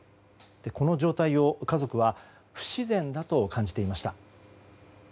この状態を家族は不自然だと感じていました。